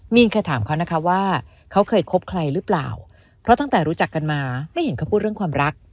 มีนเคยถามเขานะคะว่าเขาเคยคบใครหรือเปล่าเพราะตั้งแต่รู้จักกันมาไม่เห็นเขาพูดเรื่องความรัก